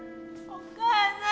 お母さん。